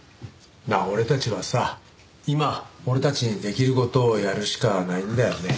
まあ俺たちはさ今俺たちにできる事をやるしかないんだよね。